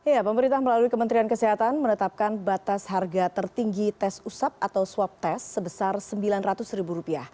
ya pemerintah melalui kementerian kesehatan menetapkan batas harga tertinggi tes usap atau swab test sebesar rp sembilan ratus